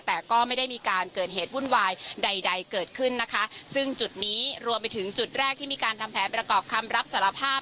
แต่ก็ไม่ได้มีการเกิดเหตุวุ่นวายใดใดเกิดขึ้นนะคะซึ่งจุดนี้รวมไปถึงจุดแรกที่มีการทำแผนประกอบคำรับสารภาพ